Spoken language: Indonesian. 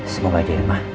semoga ada ilmah